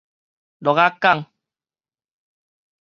鹿仔港